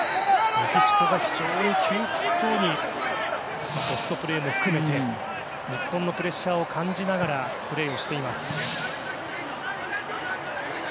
メキシコが非常に窮屈そうにポストプレーも含めて日本のプレッシャーを感じながらプレーしています。